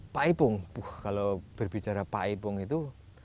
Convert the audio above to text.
pak ipung kalau berbicara pak ipung itu